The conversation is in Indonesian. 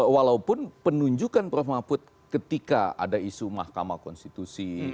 walaupun penunjukan prof mahfud ketika ada isu mahkamah konstitusi